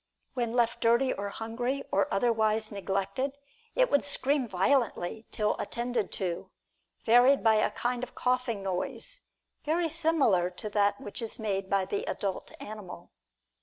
When left dirty or hungry, or otherwise neglected, it would scream violently till attended to, varied by a kind of coughing noise, very similar to that which is made by the adult animal.